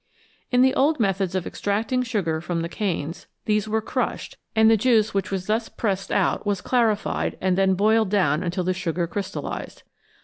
In the old methods of extracting sugar from the canes, these were crushed, and the juice which was thus pressed out was clarified and then boiled down until the sugar crystallised.